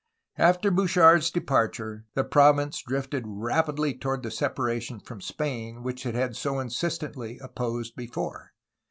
After Bouchard's departure the province drifted rapidly toward the separation from Spain which it had so insistently opposed before.